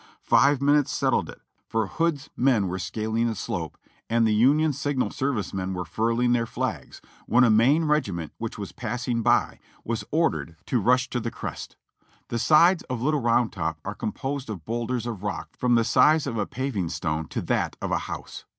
Five minutes settled it; for Hood's men were scaling the slope, and the Union signal service men were furling their flags when a Maine regiment which was passing by was ordered to rush to the GETTYSBURG 405 crest. The sides of Little Round Top are composed of boulders of rock from the size of a paving stone to that of a house.